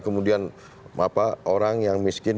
kemudian orang yang miskin